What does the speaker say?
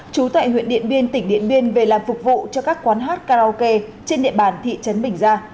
trú tại huyện điện biên tỉnh điện biên về làm phục vụ cho các quán hát karaoke trên địa bàn thị trấn bình gia